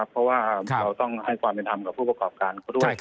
เพราะว่าต้องให้ความเป็นตามผู้ปฎกรอบกัน